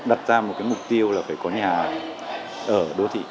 khi mà chúng ta đặt ra một cái mục tiêu là phải có nhà ở đô thị